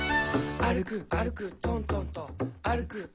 「あるくあるくとんとんと」